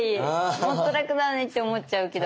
もっと楽なのにって思っちゃうけど。